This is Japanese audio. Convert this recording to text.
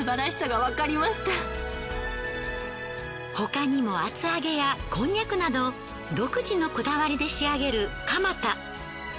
他にも厚揚げやこんにゃくなど独自のこだわりで仕上げるかま田。